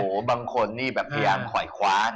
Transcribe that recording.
โอ้โหบางคนนี่แบบพยายามถอยคว้า